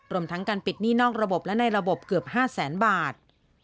รวมทั้งการปิดหนี้นอกระบบและในระบบเกือบ๕แสนบาท